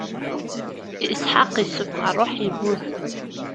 Isḥaq issufeɣ ṛṛuḥ, immut.